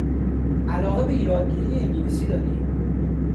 علاقه به یادگیری انگلیسی داری؟